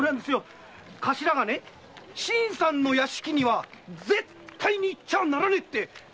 頭が「新さんの屋敷には絶対に行っちゃならねえ」って言うんで。